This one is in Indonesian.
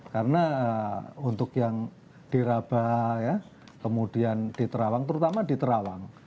karena untuk yang di rabah ya kemudian di terawang terutama di terawang